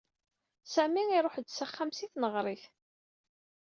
Sami iruḥ-d s axxam si tneɣrit.